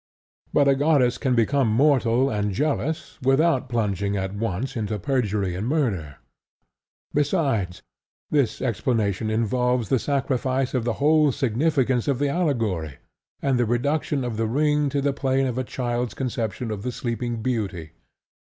But a goddess can become mortal and jealous without plunging at once into perjury and murder. Besides, this explanation involves the sacrifice of the whole significance of the allegory, and the reduction of The Ring to the plane of a child's conception of The Sleeping Beauty.